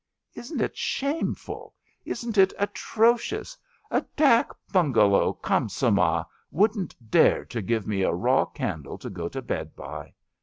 *^ Isn^t it shameful ? Isn ^t it atrocious ? A dak bungalow Jchansamah wouldn^t dare to give me a raw candle to go to bed by.